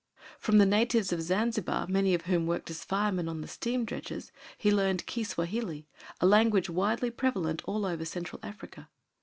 From the natives of Zanzibar, many of whom worked as firemen on the steam dredges, he learned Kiswahili, a language widely prevalent all over Central Africa.